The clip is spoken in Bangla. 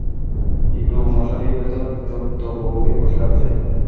জিতু মশারির ভেতর জুবথবু হয়ে বসে আছে।